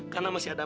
karena masih ada